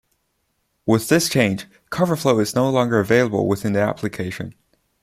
With this change, Cover Flow is no longer available within the application.